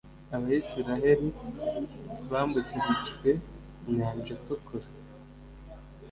abaisiraheli bambukijwe inyanja tukura